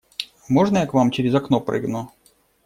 Можно, я к вам через окно прыгну?